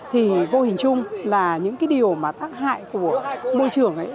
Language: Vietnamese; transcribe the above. thì vô hình chung là những cái điều mà tác hại của môi trường ấy